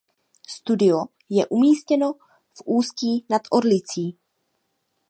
Studio je umístěno v Ústí nad Orlicí.